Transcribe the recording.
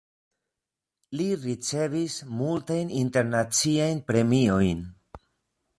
Li ricevis multajn internaciajn premiojn.